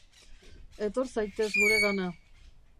Etor zaitez guregana.